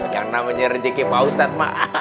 yang namanya rezeki pak ustadz mak